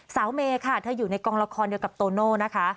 เมย์ค่ะเธออยู่ในกองละครเดียวกับโตโน่นะคะ